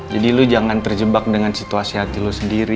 jadi lo jangan terjebak dengan situasi hati lo sendiri